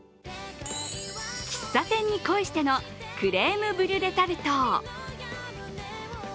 喫茶店に恋してのクレームブリュレタルト。